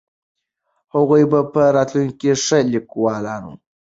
هغوی به په راتلونکي کې ښه لیکوالان وي.